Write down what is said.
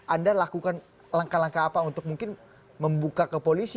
anda lakukan langkah langkah apa untuk mungkin membuka ke polisi